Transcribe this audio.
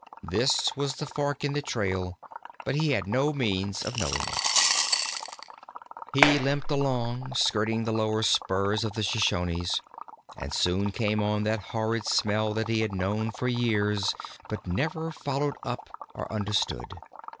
This was the fork in the trail, but he had no means of knowing it. He limped along, skirting the lower spurs of the Shoshones, and soon came on that horrid smell that he had known for years, but never followed up or understood.